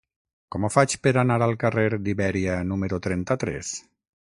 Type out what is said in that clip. Com ho faig per anar al carrer d'Ibèria número trenta-tres?